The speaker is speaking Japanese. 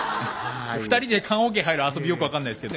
２人で棺おけ入る遊びよく分かんないですけど。